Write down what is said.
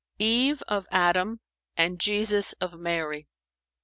"Eve of Adam and Jesus of Mary.